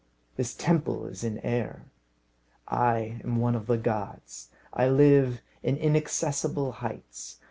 This temple is in air. I am one of the gods. I live in inaccessible heights.